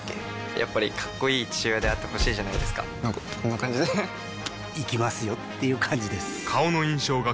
やっぱりかっこいい父親であってほしいじゃないですかなんかこんな感じで行きますよっていう感じです